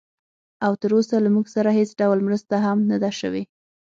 او تراوسه له موږ سره هېڅ ډول مرسته هم نه ده شوې